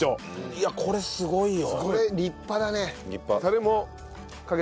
いやこれはすごいよ。